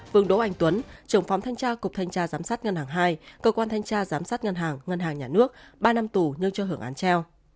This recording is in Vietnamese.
vương đỗ anh tuấn trưởng phòng thanh tra cục thanh tra giám sát ngân hàng hai cơ quan thanh tra giám sát ngân hàng ngân hàng nhà nước ba năm tù nhưng cho hưởng án treo